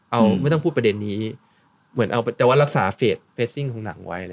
เอาไม่ต้องพูดประเด็นนี้เหมือนเอาแต่ว่ารักษาเฟสเฟสซิ่งของหนังไว้